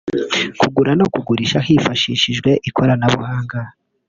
Kugura no kugurisha hifashishijwe ikoranabuhanga